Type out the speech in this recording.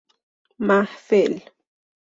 محفل